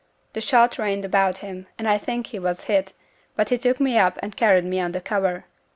The shot rained about him, and I think he was hit; but he took me up and carried me under cover."